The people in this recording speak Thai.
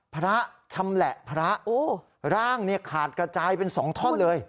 พระชำแหละพระร่างเนี่ยขาดกระจายเป็น๒ท่อนเลย